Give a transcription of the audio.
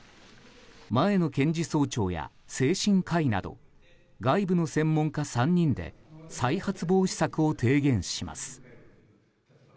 前の検事総長や精神科医など外部の専門家３人で再発防止策を提言します。